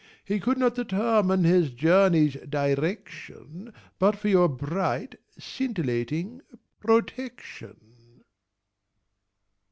He could not determine his journey's direction But for your bright scintillating protection.